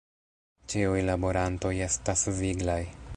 Ĉiuj laborantoj estas viglaj.